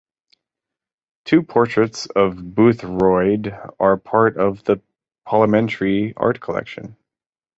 Two portraits of Boothroyd are part of the parliamentary art collection.